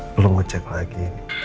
belum ngecek lagi